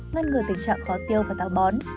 ngăn ngừa tình trạng khó tiêu và tạo bón